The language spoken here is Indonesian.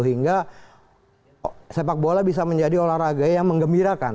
hingga sepak bola bisa menjadi olahraga yang mengembirakan